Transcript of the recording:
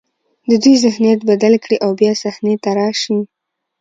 د دوی ذهنیت بدل کړي او بیا صحنې ته راشي.